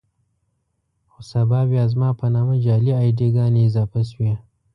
خو سبا بيا زما په نامه جعلي اې ډي ګانې اضافه شوې.